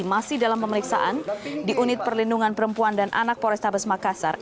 masih dalam pemeriksaan di unit perlindungan perempuan dan anak polrestabes makassar